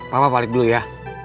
papa balik dulu ya